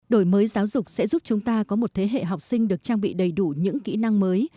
đổi mới giáo dục sẽ giúp chúng ta có một thế hệ học sinh được trang bị đầy đủ những kỹ năng mới